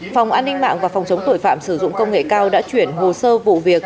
phòng an ninh mạng và phòng chống tội phạm sử dụng công nghệ cao đã chuyển hồ sơ vụ việc